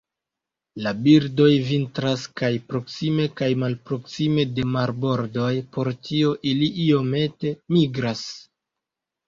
La birdoj vintras kaj proksime kaj malproksime de marbordoj, por tio ili iomete migras.